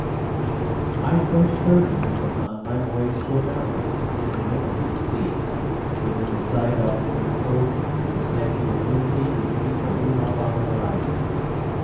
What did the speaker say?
I first heard one of them on my voyage to America, in the midst of the sea within sight of the New World, with the Statue of Liberty beginning to loom up on the horizon.